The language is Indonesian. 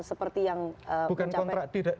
seperti yang mencapai bukan kontrak